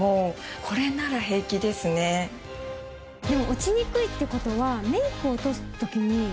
でも落ちにくいってことはメイクを。